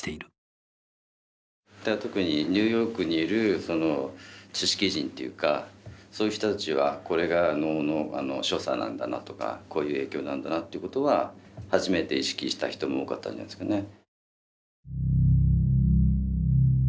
だから特にニューヨークにいるその知識人っていうかそういう人たちはこれが能の所作なんだなとかこういう影響なんだなってことは初めて意識した人も多かったんじゃないんですかね。